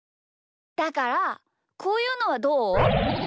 だからこういうのはどう？